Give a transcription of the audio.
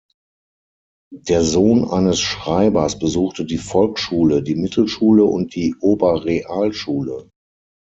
Der Sohn eines Schreibers besuchte die Volksschule, die Mittelschule und die Oberrealschule.